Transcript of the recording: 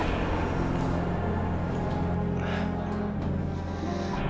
apa kali ini después terjadi